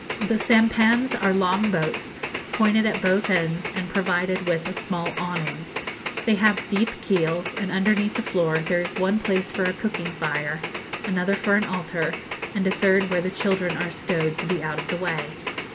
The sampans are long boats, pointed at both ends, and provided with a small awning. They have deep keels; and underneath the floor there is one place for a cooking fire, another for an altar, and a third where the children are stowed to be out of the way.